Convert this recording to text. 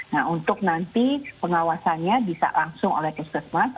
nah untuk nanti pengawasannya bisa langsung oleh puskesmas